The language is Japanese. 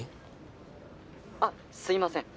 ☎あっすいません